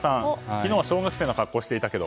昨日は小学生の格好をしていたけど。